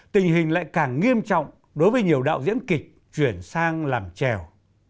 tình hình lại càng nghiêm trọng đối với nhiều đạo diễn kịch chuyển sang làm trèo